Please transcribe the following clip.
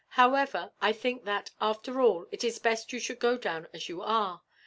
However, I think that, after all, it is best you should go down as you are.